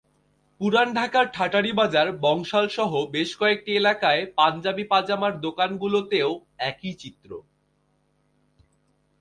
পুরান ঢাকার ঠাঁটারীবাজার, বংশালসহ বেশ কয়েকটি এলাকায় পাঞ্জাবি-পাজামার দোকানগুলোতেও একই চিত্র।